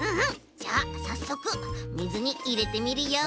じゃあさっそくみずにいれてみるよ。